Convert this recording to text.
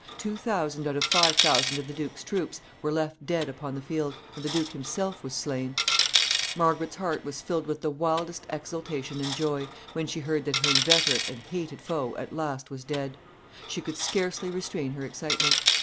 Two thousand out of five thousand of the duke's troops were left dead upon the field, and the duke himself was slain! Margaret's heart was filled with the wildest exultation and joy when she heard that her inveterate and hated foe at last was dead. She could scarcely restrain her excitement.